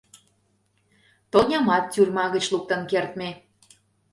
Тонямат тюрьма гыч луктын кертме.